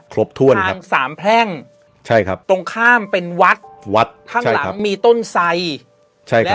ครบถ้วนครับทางสามแพร่งใช่ครับตรงข้ามเป็นวัดวัดข้างหลังมีต้นไสใช่ครับ